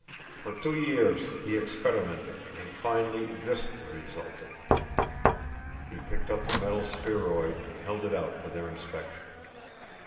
For two years he experimented, and finally this resulted." He picked up the metal spheroid and held it out for their inspection.